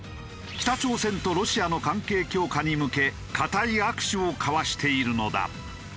北朝鮮とロシアの関係強化に向け堅い握手を交わしているのだ。